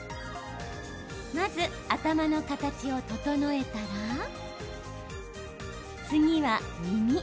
まず頭の形を整えたら次は耳。